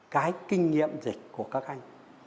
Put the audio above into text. cái kinh nghiệm dịch của các anh